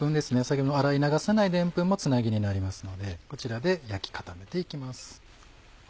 先ほどの洗い流さないでんぷんもつなぎになりますのでこちらで焼き固めて行きます。